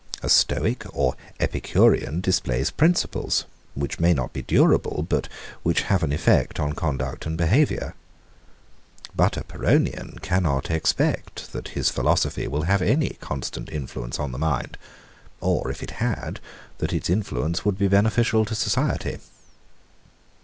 A Stoic or Epicurean displays principles, which may not be durable, but which have an effect on conduct and behaviour. But a Pyrrhonian cannot expect, that his philosophy will have any constant influence on the mind: or if it had, that its influence would be beneficial to society.